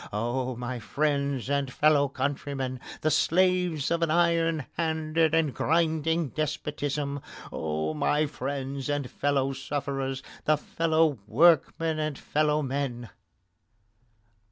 Oh, my friends and fellow countrymen, the slaves of an iron handed and a grinding despotism! Oh, my friends and fellow sufferers, and fellow workmen and fellow men!